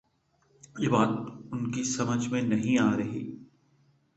یہ بات ان کی سمجھ میں نہیں آ رہی۔